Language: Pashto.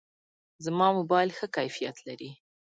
زما موبایل ښه کیفیت لري.